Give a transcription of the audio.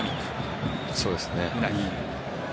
そうですね。